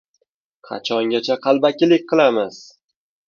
Qachongacha qalbakilik qilamiz?